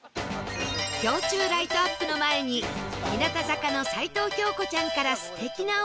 氷柱ライトアップの前に日向坂の齊藤京子ちゃんから素敵なお知らせ